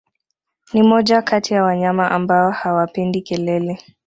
Ni moja kati ya wanyama ambao hawapendi kelele